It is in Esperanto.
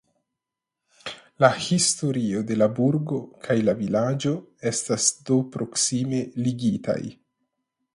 La historio de la burgo kaj la vilaĝo estas do proksime ligitaj.